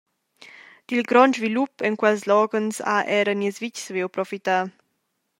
Dil grond svilup en quels loghens ha era nies vitg saviu profitar.